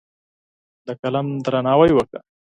د قلم درناوی وکړه.